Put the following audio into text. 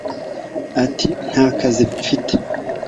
ati nta kazi mfite